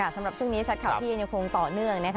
สำหรับช่วงนี้ชัดข่าวเที่ยงยังคงต่อเนื่องนะคะ